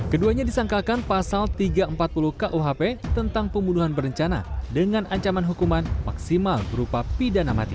keduanya disangkakan pasal tiga ratus empat puluh kuhp tentang pembunuhan berencana dengan ancaman hukuman maksimal berupa pidana mati